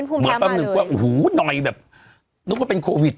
อูหูหน่อยแบบนุ่มว่าเป็นโควิด